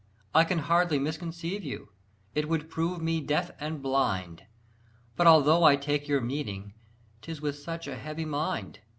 I can hardly misconceive you; it would prove me deaf and blind; But although I take your meaning, 'tis with such a heavy mind!